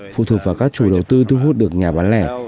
phụ thuộc vào các chủ đầu tư thu hút được nhà bán lẻ